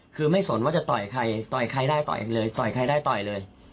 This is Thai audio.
คือไม่สนว่าจะต่อยใครต่อยใครได้ต่อยเลยต่อยใครได้ต่อยเลย